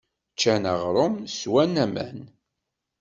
Ččan aɣrum, swan aman.